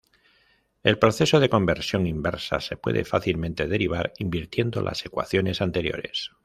El proceso de conversión inversa se puede fácilmente derivar invirtiendo las ecuaciones anteriores.